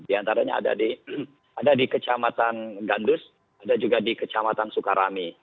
di antaranya ada di kecamatan gandus ada juga di kecamatan sukarami